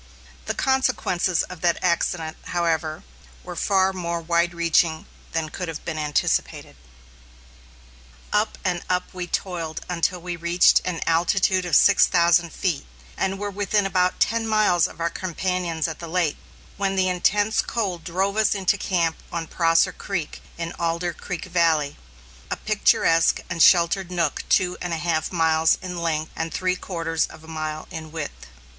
The consequences of that accident, however, were far more wide reaching than could have been anticipated. Up and up we toiled until we reached an altitude of six thousand feet, and were within about ten miles of our companions at the lake, when the intense cold drove us into camp on Prosser Creek in Alder Creek Valley, a picturesque and sheltered nook two and a half miles in length and three quarters of a mile in width.